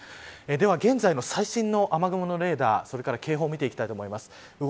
では、現在の最新の雨雲のレーダーそれから警報を見ていきます。